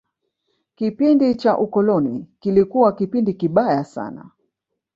kipindi cha ukoloni kilikuwa kipindi kibaya sana